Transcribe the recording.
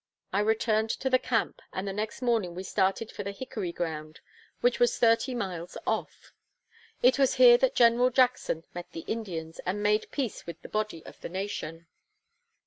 I returned to the camp, and the next morning we started for the Hickory Ground, which was thirty miles off. It was here that General Jackson met the Indians, and made peace with the body of the nation.